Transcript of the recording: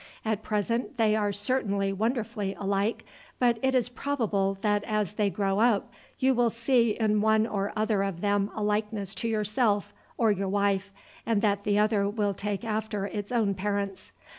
At present they are certainly wonderfully alike, but it is probable that as they grow up you will see in one or other of them a likeness to yourself or your wife, and that the other will take after its own parents.